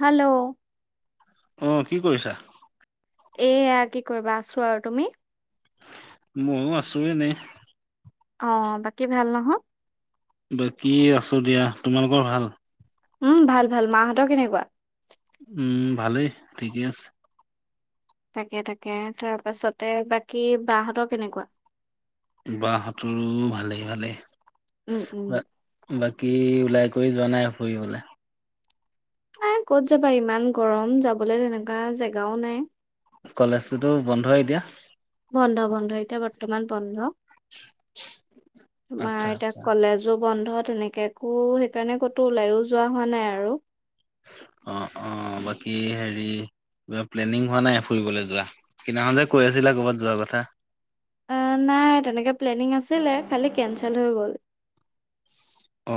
Hello. আহ কি কৰিছা। এয়া কি কৰিবা আছো আৰু তুমি ময়ো আছো এনেই। অ বাকী ভাল নহয়। বাকী আছো দিয়া তোমালোকৰ ভাল। উম ভাল ভাল মাহঁতৰ কেনেকুৱা। উম ভালেই ঠিকে আছে। তাকে তাকে তাৰপাছতে বাকী বাহতৰ কেনেকুৱা। বাহতৰো ভালেই ভালেই উম উম বাকী ওলাই। কৰি যোৱা নাই ফুৰিবলৈ। নাই ক'ত যাবা ইমান গৰম যাবলৈ তেনেকুৱা জেগাও নাই। কলেজটোতো বন্ধ এতিয়া। বন্ধ বন্ধ এতিয়া বৰ্তমান বন্ধ আচ্ছা তোমাৰ এতিয়া আচ্ছা কলেজো বন্ধ তেনেকে একো সেইকাৰণে ক'তো ওলাইও যোৱা হোৱা নাই আৰু আঁ আঁ বাকী হেৰি কিবা প্লেনিং হোৱা নাই ফুৰিবলৈ যোৱা সিদিনাখন যে কৈ আছিলা ক'ৰবাত যোৱা কথা। নাই তেনেকে প্লেনিং আছিলে খালি কেঞ্চেল হৈ গ'ল অ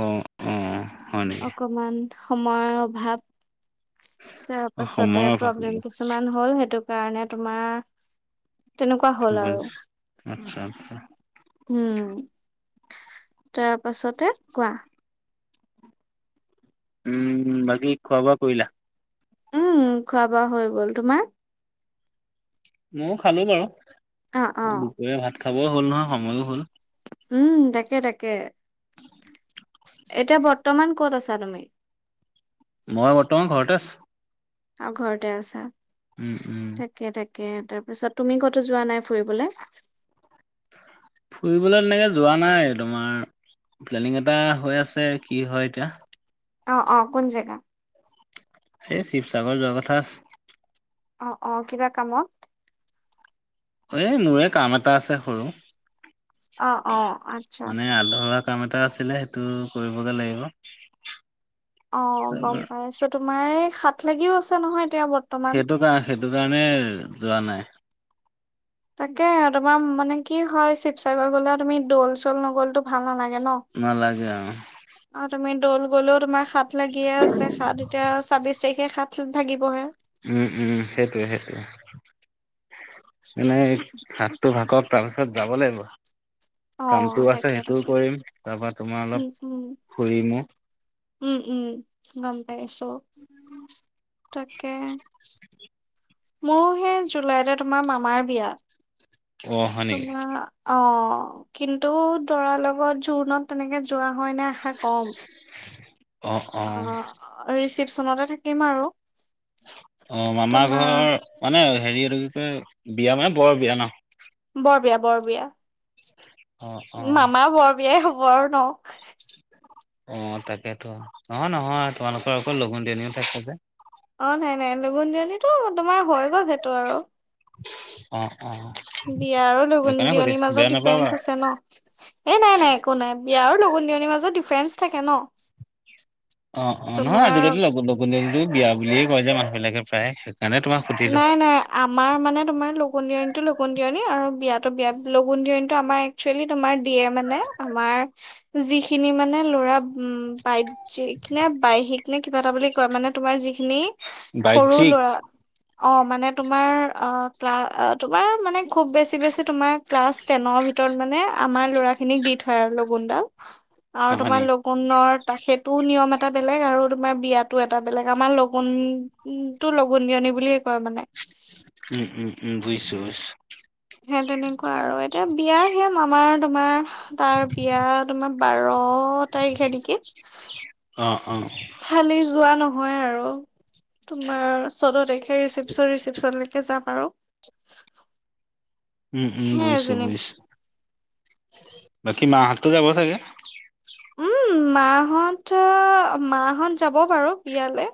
অ। হয় নেকি অকমান সময়ৰ অভাৱ তাৰ অ পাছতে সময়ৰ অভাৱ প্ৰব্লেম নেকি কিছুমান হ'ল সেইটো কাৰণে তোমাৰ তেনেকুৱা হ'ল আৰু বুজিছো আচ্ছা আচ্ছা উম । তাৰ পাছতে কোৱা উম বাকী খোৱা বোৱা কৰিলা? উম খোৱা বোৱা হৈ গ'ল তোমাৰ? ময়ো খালো বাৰু অ অ দুপৰীয়া ভাত খাবও হ'ল নহয় সময়ো হ'ল। উম তাকে তাকে এতিয়া বৰ বৰ্তমান ক'ত আছা তুমি? মই বৰ্তমান ঘৰতে আছো। আৰু ঘৰতে আছা উম উম তাকে তাকে। তাৰপিছত তুমি কতো যোৱা নাই ফুৰিবলে? ফুৰিবলৈ তেনেকে যোৱা নাই তোমাৰ । প্লেনিং এটা হৈ আছে কি হয় এতিয়া। অ অ কোন জেগা? সেই শিৱসাগৰ যোৱা কথা আছে। অ অ কিবা কামত। এ মোৰে কাম এটা আছে সৰু। অঁ অঁ আচ্ছা। মানে আধৰুৱা কাম এটা আছিলে সেইটো কৰিবগে লাগিব। অ গম পাইছো, তোমাৰ এই হাত লাগিও আছে নহয়। এতিয়া বৰ্তমান সেইটো কাৰ সেইটো কাৰণে যোৱা নাই। তাকে তোমাৰ মানে কি হয় শিৱসাগৰ গলে তুমি দৌল চল নগল তো ভাল নালাগে ন নালাগে আৰু আৰু তুমি দৌল গলেও তোমাক সাত লাগিয়ে আছে সাত এতিয়া ছাবিশ তাৰিখে হাত ভাগিবহে। উম উম সেইটোৱে সেইটোৱে। এনেই সাতটো ভাগক তাৰপিছত যাব লাগিব কামটো অ', আছে তাকে সেইটোও তাকে কৰিম তাৰপা তোমাৰ উম অলপ উম ফুৰিমো। উম উম গম পাইছো । তাকে। মোৰো সেই জুলাইতে তোমাৰ মামাৰ বিয়া । অ হয় নেকি তোমাৰ অ। কিন্তু দৰাৰ লগত জোৰোণত তেনেকে যোৱা হয় নে আশা কম। অ ৰিচিপচনতে থাকিম আৰু। অ মামাৰ তোমাৰ ঘৰ মানে হেৰি এইটো কি কয়, বিয়া মানে বৰ বিয়া ন? বৰ বিয়া, বৰ বিয়া। অ অ মামাৰ বৰ বিয়াই হব আৰু ন? অ তাকেতো। অ নহয় তোমালোকৰ আকৌ লগুণ দিয়নি এটা থাকে যে। অ নাই, নাই। লগুন দিয়নিটো তোমাৰ হৈ গ'ল সেইটো আৰু। অঁ। বিয়া আৰু লগুণ দিয়নিৰ মাজত বেয়া নাপাবা ডিফাৰেন্ঞ্চ আছে ন? এ নাই, নাই। একো নাই। বিয়া আৰু লগুণ লগুণ দিয়নীৰ মাজত ডিফাৰেন্ঞ্চ থাকে ন? অ-অ, নহয়। তোমাৰ আজিকালি লগ লগুণ দিয়নীটো ও বিয়া বুলিয়ে কয় যে মানুহ বিলাকে প্ৰায়েই। নাই নাই, আমাৰ মানে তোমাৰ লগুণ দীয়নিটো লগুণ দিয়নী আৰু বিয়াতো বিয়া। লগুন দীয়নি আমাৰ একচেলি তোমাৰ দিয়ে মানে। আমাৰ যিখিনি মানে ল'ৰা, উ বাইতজীক নে বাহ্যিক নে কিবা এটা বুলি কয় মানে তোমাৰ যিখিনি সৰু বাজ্যিক ল'ৰা অ মানে তোমাৰ অ ক্লা তোমাৰ মানে খুব বেছি বেছি তোমাৰ ক্লাছ টেনৰ ভিতৰত মানে আমাৰ ল'ৰা খিনিক দি থয় আৰু লগুনডাল আৰু নহয় তোমাৰ নি লগুণৰ ত সেইটোও নিয়ম এটা বেলেগ আৰু তোমাৰ বিয়াতো এটা বেলেগ। আমাৰ লগনটো লগুণ দীয়নি বুলিয়ে কয় মানে। উম, উম, উম, বুজিছোঁ। বুজিছোঁ । সেই তেনেকুৱা আৰু এতিয়া বিয়া সেয়া মামাৰ, তোমাৰ তাৰ বিয়া, তোমাৰ বাৰ তাৰিখে নেকি? অ, অ। খালি যোৱা নহয় আৰু তোমাৰ চৈধ্য তাৰিখে ৰিচিপচন, ৰিচিপচন লৈকে তাকে যাম আৰু । উম, উম। বুজিছোঁ, বুজিছোঁ । বাকী মাহঁতটো যাব চাগে? উম, মাহঁতৰ মাহঁত যাব বাৰু বিয়ালে।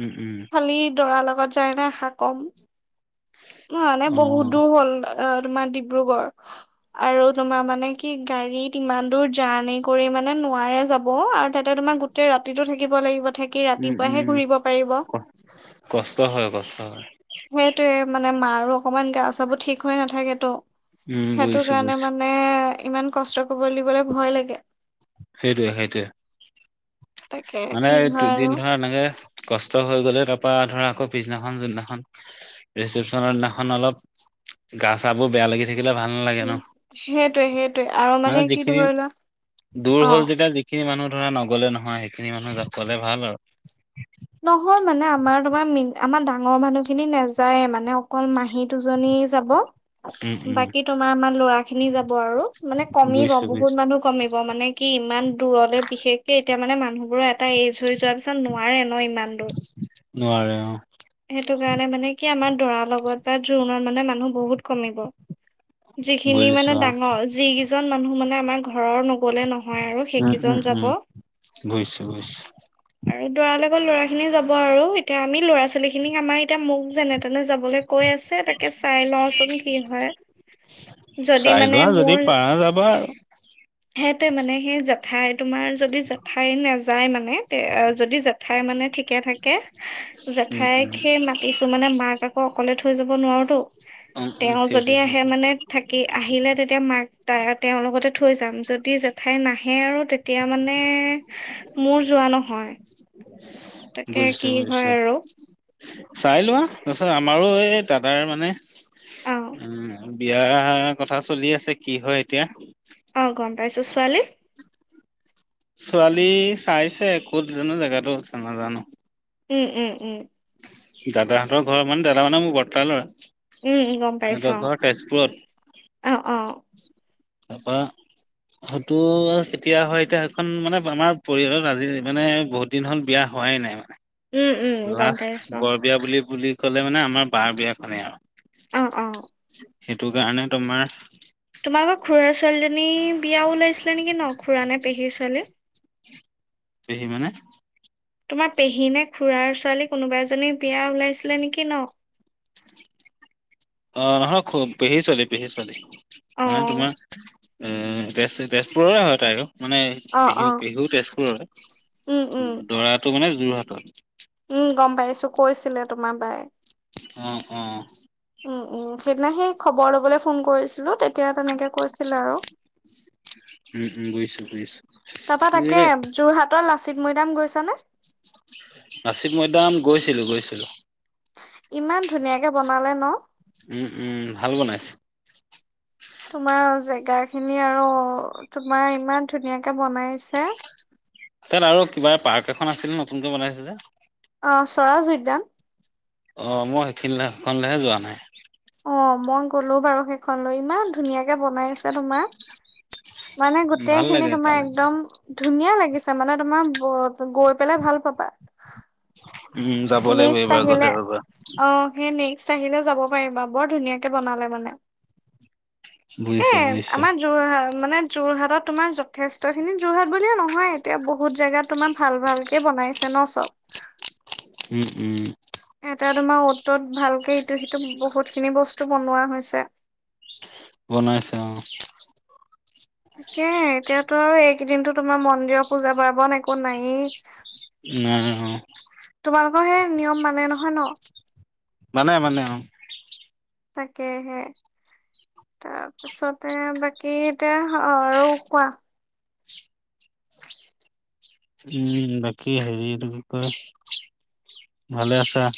উম, উম। খালি দৰাৰ লগত যায় নে আশা কম। ন নাই অ বহুত দূৰ হ'ল অ তোমাৰ ডিব্ৰুগড় আৰু তোমাৰ মানে কি গাড়ীত ইমান দূৰ জাৰ্ণি কৰি মানে নোৱাৰে যাব আৰু তাতে তোমাৰ গোটেই ৰাতিতো থাকিব লাগিব থাকি উম ৰাতিপুৱাহে উম ঘূৰিব পাৰিব। [inaudible] ক কষ্ট হয় কষ্ট হয় সেইটোৱেই। মানে মাৰো অকমান গা চাবোৰ ঠিক হৈ নাথাকেতো। উম সেইটো বুজিছো কাৰণে বুজিছো মানে ইমান কষ্ট কৰিব দিবলে ভয় লাগে। সেইটোৱে, সেইটোৱে। তাকে মানে কি এই হয় আৰু দুদিন ধৰা এনেকে কষ্ট হৈ গ'লে ধৰ পৰা ধৰা আকৌ পিছদিনাখন যোনখন ৰিচেপচনৰ দিনাখন অলপ গা চা বোৰ বেয়া লাগি দেখিলে ভাল নালাগে উম ন। সেইটোৱে সেইটোৱে আৰু মানে কি যিখিনি ধৰি লোৱা দূৰ অ হল যেতিয়া যিখিনি মানুহ ধৰা নগলে নহয় সেইখিনি মানুহ গলে ভাল আৰু । নহয় মানে আমাৰ তোমাৰ আমাৰ ডাঙৰ মানুহখিনি নাযাইয়ে মানে অকল মাহী দুজনী যাব। উম উম বাকী তোমাৰ আমাৰ ল'ৰা খিনি যাব। আৰু মানে কমিব, বুজিছো বহুত বুজিছো মানুহ কমিব। মানে কি ইমান দূৰলে বিশেষকে এতিয়া মানে মানুহবোৰৰ এটা এজ হৈ যোৱাৰ পিছত নোৱাৰে। ন ইমান দূৰ। নোৱাৰে অঁ। সেইটো কাৰণে মানে কি আমাৰ দৰাৰ লগতে জোৰোণত মানে মানুহ বহুত কমিব। যিখিনি বুজিছো মানে অ ডাঙৰ যি কেইজন মানুহ মানে আমাৰ ঘৰৰ নগলে নহয় আৰু উম উম সেইকেইজন যাব। উম বুজিছো বুজিছো। আৰু দৰাৰ লগত ল'ৰা খিনি যাব আৰু, এতিয়া আমি ল'ৰা ছোৱালী খিনিক আমাৰ এতিয়া মোক যেনে তেনে যাবলৈ কৈ আছে তাকে চাই লওচোন কি হয়। যদি চাই মানে লোৱা যদি পাৰ যাবা আৰু। সেইটোৱে মানে সেই জেঠাই তোমাৰ যদি জেঠাই নে যায় মানে, তে যদি জেঠাই মানে ঠিকে থাকে উম তাইক উম সেই মাতিছো মানে মাক আকৌ অকলে থৈ যাব নোৱাৰোতো। উম উম তেওঁ যদি সেইটোৱে আহে সেইটোৱে মানে থাকি আহিলে তেতিয়া মাক ত তেওঁৰ লগত লগতে থৈ যাম, যদি জেঠাই নাহে আৰু তে তিয়া মানে মোৰ যোৱা নহয়। তাকে বুজিছো কি হয় বুজিছো। আৰু চাই লোৱা তাৰপিছত আমাৰো এই দাদাৰ মানে অ উম বিয়াৰ কথা চলি আছে কি হয় এতিয়া। অ গম ছোৱালী ছোৱালী চাইছে ক'ত জানো জেগাতো হৈছে নাজানো? উম উম উম দাদাহঁতৰ ঘৰৰ মানে দাদা মানে মোৰ বৰ্তাৰ ল'ৰা। উম উম গম পাইছো সিহঁতৰ ঘৰ তেজপুৰত অ অ অ তাপা হয়তো কেতিয়া হয় এতিয়া সেইখন মানে আমাৰ পৰিয়ালত আজি মানে বহুত দিন হ'ল বিয়া হয় হোৱাই নাই মানে উম উম গম লাষ্ট পাইছো বৰ বিয়া বুলি বুলি ক'লে মানে আমাৰ বাৰ বিয়াখনে আৰু অ অ সেইটো কাৰণে তোমাৰ তোমালোকৰ খুৰাৰা ছোৱালীজনী বিয়া ওলাইছিলে নেকি ন খুৰা নে পেহীৰ ছোৱালী পেহী মানে তোমাৰ পেহীনে খুৰা ছোৱালী কোনোবা এজনী বিয়া ওলাইছিলে নেকি ন [unintelligible] অ নহয় খুব পেহী ছোৱালী পেহী ছোৱালী অ মানে তোমাৰ উম তেজ তেজপুৰৰে হয় তাইও মানে অ পেহী অ পেহু তেজপুৰৰে উম উম দৰাটো মানে যোৰহাটৰ মা বাই অ অ উম উম সেইদিনা সেই খবৰ লবলৈ ফোন কৰিছিলো তে তিয়া তেনেকে কৈছিল আৰু উম উম বুজিছো বুজিছো তাৰপা তাকে লাচিত যোৰহাটৰ লাচিত মৈদাম গৈছানে নাচিক মৈদাম গৈছিলো গৈছিলো ইমান ধুনীয়াকে বনালে ন উম উম ভাল বনাইছে তোমাৰ জেগা খিনি আৰু তোমাৰ ইমান ধুনীয়াকে বনাইছে তাত আৰু কিবা পাৰ্ক এখন আছিল নতুনকে বনাইছে যে অ চৰাজ উদ্যান অ মই সেইখিন সেইখনলেহে যোৱা নাই অ মই গলো বাৰু সেইখন লৈ ইমান ধুনীয়াকে বনাই আছে তোমাৰ মানে গোটেই ভাল খিনি লাগে তোমাৰ তালৈ একদম ধুনীয়া লাগিছে মানে তোমাৰ ব ত গৈ পেলাই ভাল পাবা উম যাব লাগিব নেক্সট আহ এইবাৰ গ'লে আহিলে ৰবা অ হয় নি আহিলে যাব পাৰিবা বৰ ধুনীয়াকে বনালে মানে এ বুজিছো বুজিছো আমাৰ যোৰহাট মানে যোৰহাট। তোমাৰ যথেষ্ট খিনি যোৰহাট বুলিয়ে নহয়। এতিয়া বহুত জেগা তোমাৰ ভাল ভালকে বনাইছে ন চব। উম উম এটা তোমাৰ অটত ভালকে ইটো সিটো বহুত খিনি বস্তু বনোৱা হৈছে। বনাইছে অ' তাকে এতিয়াতো আৰু এইকেইদিনো তোমাৰ মন্দিৰৰ পূজা পাৰ্ব ন একো নায়েই উ [inaudible] হে নিয়ম মানে নহয় ন মানে মান তাকেহে তাৰপাছতে বাকী এতিয়া আহ ৰৌ কোৱা উম বাকী হেৰিত ভালে আছা।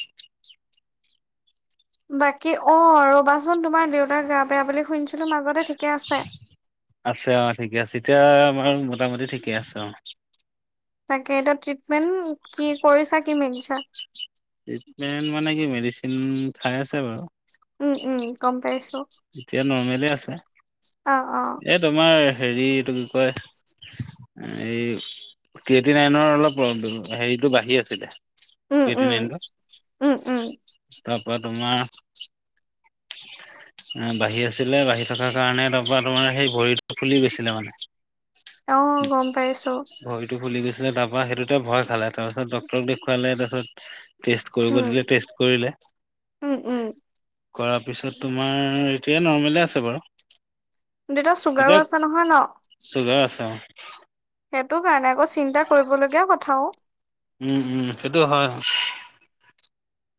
বাকী অ' ৰবাচোন তোমাৰ দেউতা গা বেয়া বুলি শুনিছিলো মাজ বতে থ আছে অ' ঠিকে আছে এতিয়া আমাৰ মোটামুটি ঠিকে আছে অ'। তাকে এতিয়া ট্ৰিটমেণ্ট কি কৰিছা কি মিনিছা। ট্ৰিটমেণ্ট মানে কি মেডিচিন খাই আছে বাৰু। কম পেছ এতিয়া নৰ্মেলি আছে। অ অ এই তোমাৰ হেৰি এইটো কি কয় এই কটি নাইনৰ অলপ হেৰিতটো বাঢ়ি আছিলে। উম পৰি উম নাইটো উম উম তাৰপৰা তোমাৰ। বাঢ়ি আছিলে বাঢ়ি থকাৰ কাৰণে তাৰপৰা তে সেই ভৰিটো ফুলি গৈছিলে মানে। আহ গম পাইছো। ভৰিটো ফুলি গৈছিলে তাৰ পৰাা সেইটোতে ভয় খালে তাৰপিছত ডটৰক দেখুৱালে তাৰ উম উম উম। পছত [unintelligible] আমাৰ এতিয়া নৰ্মেলে আছে বাৰু দেউতাৰ চুগাৰো কতিয়া আছে নহয় ন? চগা আছা [unintelligible] সেইটো কাৰণে আকৌ চিন্তা কৰিবলগীয়া কথাও উম উম সেইটো হয়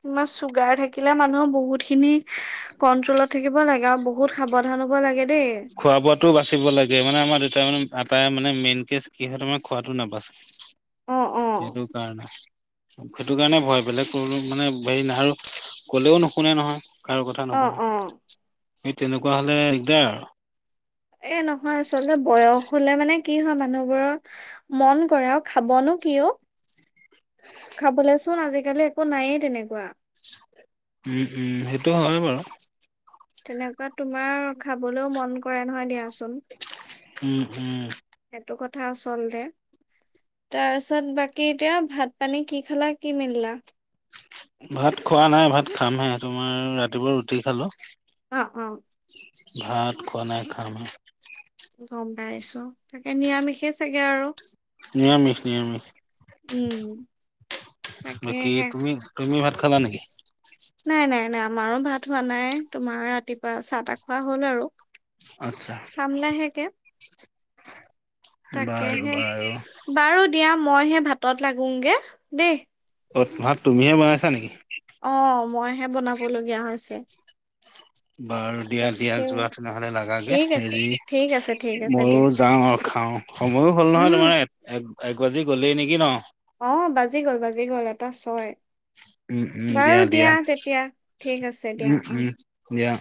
ইমান চুগাৰ থাকিলে মানুহৰ বহুত খিনি কন্ট্ৰলত থাকিব লাগে আৰু বহুত সাৱধান। আনব লাগে [unintelligible] খোৱা বোৱাাতটোও বাচিব লাগে মানে আমাৰ দেউতাই মানে। আটাই মানে মেইন কেে কিহ ত মে খোৱাাতটো নাপাছে। অ', অ', এইেইটো কাৰণে। সেইটো কাৰণে ভয় বেলেগ মানে হেৰি ন আৰু কলেও নুশুনে নহয়। কাৰো কথা অ', নুশুনে অ'। এই তেনেকুৱা হলে দিগদাৰ আৰু এই নহয় আচলতে বয়স হলে মানে কি হয় মানুহবোৰৰ মন কৰে আৰু খাবনো কিয় খাবলৈচোন আজিকালি একো নায়েই তেনেকুৱা উম উম সেইটো হয় বাৰু তেনেকুৱা তোমাৰ খাবলৈও মন কৰে নহয় দিয়াচোন। উম উম। সেইটো কথা আচলতে। তাৰপিছত বাকী এতিয়া ভাত পানী কি খালা কি মিললা ভাত খোৱা নাই ভাত খামহে তোমাৰ ৰাতিপুৱা ৰুটি খালো। অ' অ' ঘট কনে খামা গম পাইছো তাকে নিৰামিষে চাগে আৰু। নিৰামিষ উম নিৰামিষ বাকি তাকেহে তুমি তুমি ভাত খালা নেকি? নাই নাই নাই আমাৰো ভাত হোৱা নাই। তোমাৰ ৰাতিপুৱা চাহ তাহ খোৱা হ'ল আৰু আচ্ছা খাম লাহেকে তাকে বাৰু হে বাৰু বাৰু দিয়া মই হে ভাতত লাগোগে দেই অঁ ত ভাত তুমিহে বনাইছা নেকি অ মইহে বনাবলগীয়া হৈছে বাৰু দিয়া দিয়া তাকে যোৱা তেনেহলে লাগে ঠিক আছে হেৰি ঠিক আছে ঠিক আছে দিয়া ময়ো যাওঁ আৰু খাও সময়ো হ'ল নহয় উম তোমাৰ এক এক বাজি গ'লেই নেকি ন বজি গ'ল এটা ছয় বাৰু দিয়া তেতিয়া ঠিক আছে দিয়া উম, অ উম, দিয়া অ